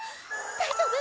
大丈夫？